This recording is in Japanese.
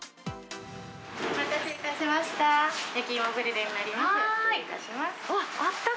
お待たせいたしました。